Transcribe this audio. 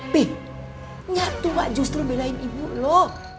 pi nyatua justru belain ibu lo